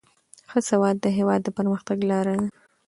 ښه سواد د هیواد د پرمختګ لاره ده.